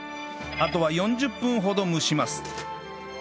あとは４０分ほど蒸します